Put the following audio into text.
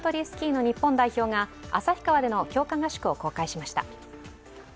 スキーの日本代表が旭川での強化合宿を公開しました。